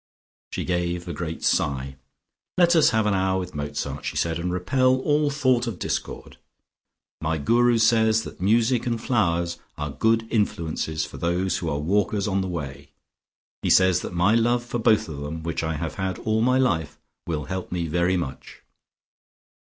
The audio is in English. She gave a great sigh. "Let us have an hour with Mozart," she said "and repel all thought of discord. My Guru says that music and flowers are good influences for those who are walkers on the Way. He says that my love for both of them which I have had all my life will help me very much."